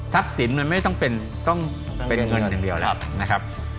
ทรัพย์สินมันไม่ต้องเป็นเงินหนึ่งเดียวแหละนะครับ